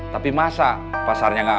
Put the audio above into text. tapi masa pasarnya gak aman